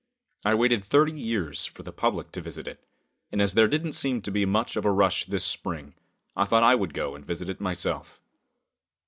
I waited thirty years for the public to visit it, and as there didn't seem to be much of a rush this spring, I thought I would go and visit it myself.